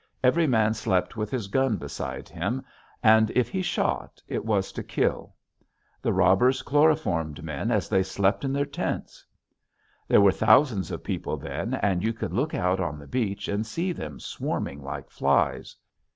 Every man slept with his gun beside him and if he shot it was to kill. The robbers chloroformed men as they slept in their tents. "There were thousands of people then and you could look out on the beach and see them swarming like flies.